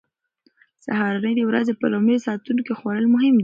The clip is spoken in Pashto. سهارنۍ د ورځې په لومړیو ساعتونو کې خوړل مهم دي.